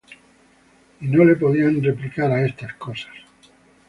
Y no le podían replicar á estas cosas.